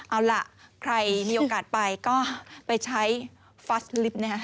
เอาล่ะใครมีโอกาสไปก็ไปใช้ฟัสลิฟต์นะฮะ